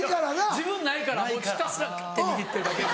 自分ないからもうひたすらグッて握ってるだけ。